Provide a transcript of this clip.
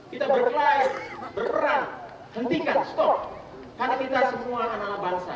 kita berklaim berperang hentikan stop